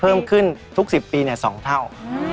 เพิ่มขึ้นทุก๑๐ปี๒เท่า